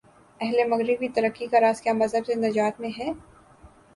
اہل مغرب کی ترقی کا راز کیا مذہب سے نجات میں ہے؟